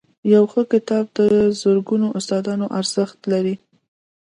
• یو ښه کتاب د زرګونو استادانو ارزښت لري.